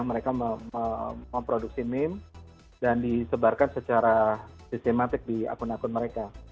mereka memproduksi meme dan disebarkan secara sistematik di akun akun mereka